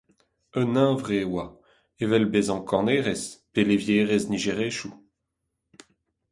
Un hunvre e oa, evel bezañ kanerez, pe levierez nijerezioù !